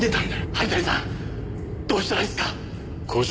灰谷さんどうしたらいいんですか？